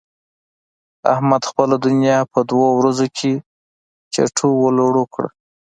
احمد خپله دونيا په دوو ورځو کې چټو و لړو کړه.